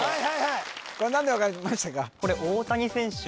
これ何でわかりましたか？